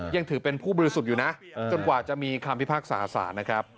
ยังถือเป็นผู้บริสุทธิ์อยู่นะจนกว่าจะมีคำพิพากษาสารนะครับ